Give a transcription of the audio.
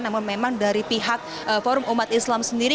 namun memang dari pihak forum umat islam sendiri